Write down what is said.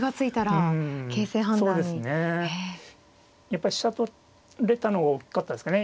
やっぱり飛車取れたのが大きかったですかね。